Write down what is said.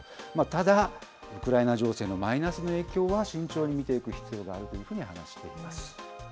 ただ、ウクライナ情勢のマイナスの影響は慎重に見ていく必要があるというふうに話しています。